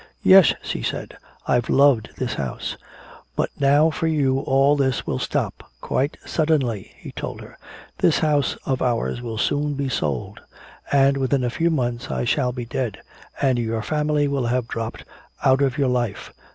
"Yes," she said, "I've loved this house " "But now for you all this will stop quite suddenly," he told her. "This house of ours will soon be sold. And within a few months I shall be dead, and your family will have dropped out of your life."